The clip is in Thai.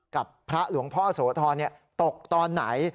กับพระหลวงพ่อโสธรตกตอนไหน